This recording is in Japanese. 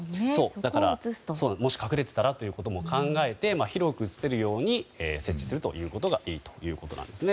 だからもし隠れていたらということも考えて広く映せるように設置することがいいということです。